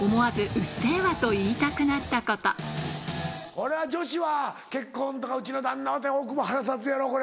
これは女子は「結婚」とか「うちの旦那は」って大久保腹立つやろこれ。